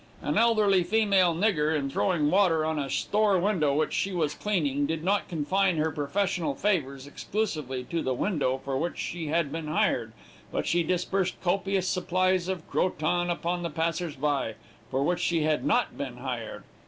An elderly female nigger, in throwing water on a store window which she was cleaning, did not confine her professional favors exclusively to the window for which she had been hired, but she disbursed copious supplies of Croton upon the passers by, for which she had not been hired.